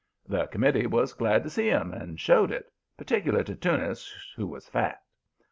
The committee was glad to see 'em, and showed it, particular to Teunis, who was fat.